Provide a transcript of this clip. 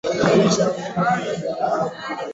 unaweza kula matembele na viazi vyovyote